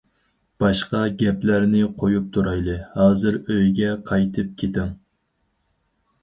باشقا گەپلەرنى قويۇپ تۇرايلى، ھازىر ئۆيگە قايتىپ كىتىڭ.